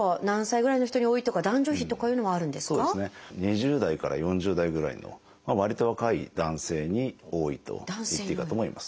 ２０代から４０代ぐらいのわりと若い男性に多いといっていいかと思います。